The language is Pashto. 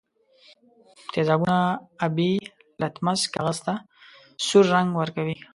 تیزابونه آبي لتمس کاغذ ته سور رنګ ورکوي.